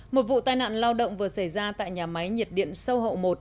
một vụ tai nạn lao động vừa xảy ra tại nhà máy nhiệt điện sâu hậu một